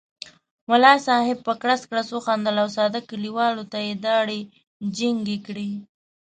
ملا صاحب په کړس کړس وخندل او ساده کلیوال ته یې داړې جینګې کړې.